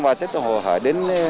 và sẽ hỏi đến